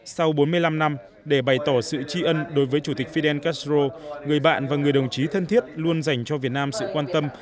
sau bốn mươi năm năm để bày tỏ sự tri ân đối với chủ tịch fidel castro người bạn và người đồng chí thân thiết luôn dành cho việt nam sự quan tâm